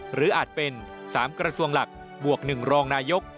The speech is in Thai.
อาจเป็น๓กระทรวงหลักบวก๑รองนายก